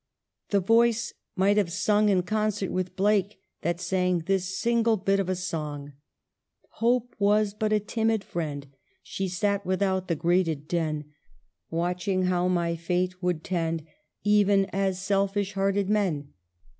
The voice might have sung in concert with Blake that sang this single bit of a song :" Hope was but a timid friend ; She sat without the grated den, Watching how my fate would tend, Even as selfish hearted men.